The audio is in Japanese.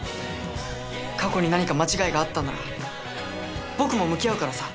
過去に何か間違いがあったんなら僕も向き合うからさ。